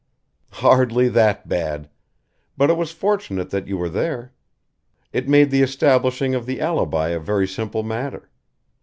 "Hardly that bad. But it was fortunate that you were there. It made the establishing of the alibi a very simple matter.